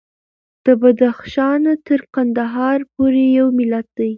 د بدخشان نه تر قندهار پورې یو ملت دی.